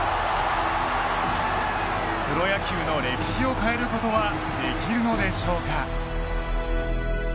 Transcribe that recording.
プロ野球の歴史を変えることはできるのでしょうか。